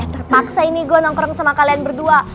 terpaksa ini gue nongkrong sama kalian berdua